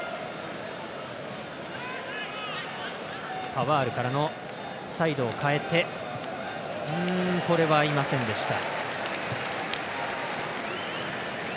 パバールからのサイドを変えてこれは合いませんでした。